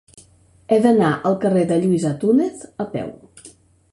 He d'anar al carrer de Luis Antúnez a peu.